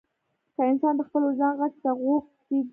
که انسان د خپل وجدان غږ ته غوږ کېږدي.